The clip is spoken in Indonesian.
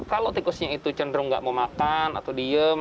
kalau tikusnya itu cenderung nggak mau makan atau diem